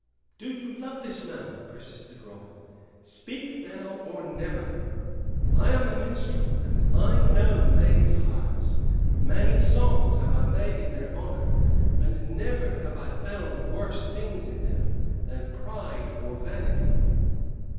"Do you love this man?" persisted Robin. "Speak now or never. I am a minstrel, and I know maids' hearts. Many songs have I made in their honor, and never have I found worse things in them than pride or vanity."